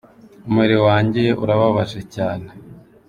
Umubiri wanjye urababaje cyane.